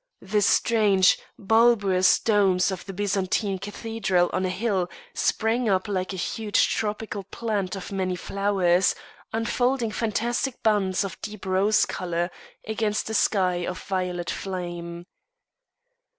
The strange, bulbous domes of a Byzantine cathedral on a hill sprang up like a huge tropical plant of many flowers, unfolding fantastic buds of deep rose colour, against a sky of violet flame.